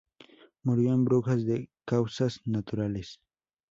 Murió en Brujas de causas naturales.